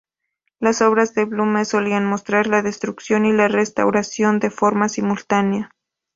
Las obras de Blume solían mostrar la destrucción y la restauración de forma simultánea.